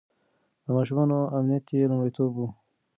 د ماشومانو امنيت يې لومړيتوب و.